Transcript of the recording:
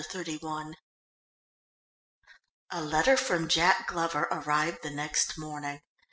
Chapter XXXI A letter from Jack Glover arrived the next morning.